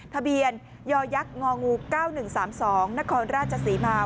ทะเบียนยยง๙๑๓๒นครราชศรีมา